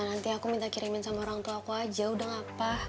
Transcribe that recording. nanti aku minta kirimin sama orangtuaku aja udah gapah